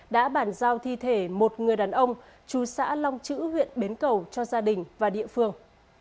đã bản giao thi thể một người đàn ông chú xã long chữ huyện bến cầu cho gia đình và địa phương